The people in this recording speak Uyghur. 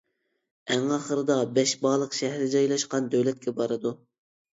ئەڭ ئاخىرىدا بەشبالىق شەھىرى جايلاشقان دۆلەتكە بارىدۇ.